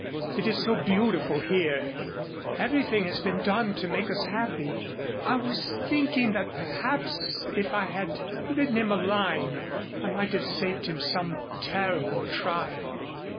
It is so beautiful here. Everything has been done to make us happy. I was thinking that perhaps if I had written him a line I might have saved him some terrible trial.